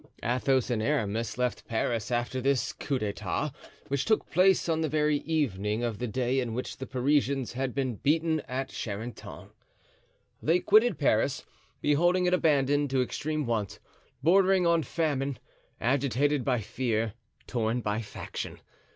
Athos and Aramis left Paris after this coup d'etat, which took place on the very evening of the day in which the Parisians had been beaten at Charenton. They quitted Paris, beholding it abandoned to extreme want, bordering on famine; agitated by fear, torn by faction.